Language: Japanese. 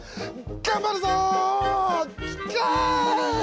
頑張るぞ！